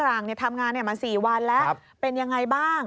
หลังทำงานมา๔วันแล้วเป็นยังไงบ้าง